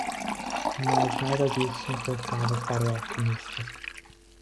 Mas nada disso importava para o alquimista.